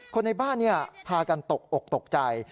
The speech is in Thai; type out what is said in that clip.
คนในบ้านพากันตกอกตกใจ